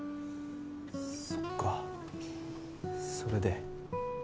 そっかそれで。